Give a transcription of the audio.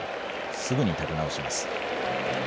すぐに立て直します。